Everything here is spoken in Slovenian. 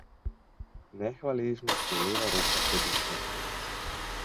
Nehvaležnost je leva roka sebičnosti.